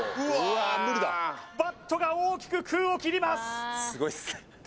バットが大きく空を切ります